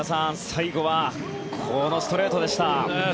最後はこのストレートでした。